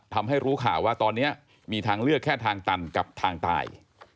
ทำให้รู้ข่าวว่าตอนนี้มีทางเลือกแค่ทางตันกับทางตาย